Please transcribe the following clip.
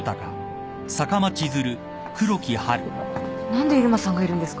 何で入間さんがいるんですか。